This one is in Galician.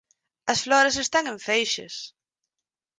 As flores están en feixes.